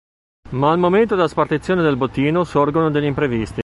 Ma al momento della spartizione del bottino sorgono degli imprevisti.